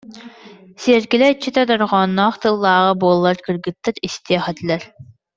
Сиэркилэ иччитэ дорҕоонноох тыллааҕа буоллар кыргыттар истиэх этилэр: